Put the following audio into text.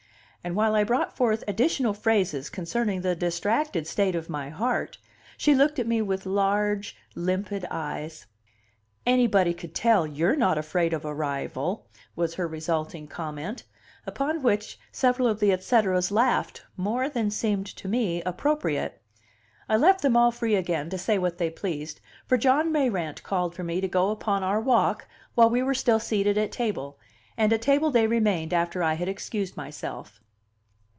And while I brought forth additional phrases concerning the distracted state of my heart, she looked at me with large, limpid eyes. "Anybody could tell you're not afraid of a rival," was her resulting comment; upon which several of the et ceteras laughed more than seemed to me appropriate. I left them all free again to say what they pleased; for John Mayrant called for me to go upon our walk while we were still seated at table, and at table they remained after I had excused myself.